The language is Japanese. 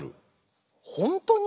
本当に？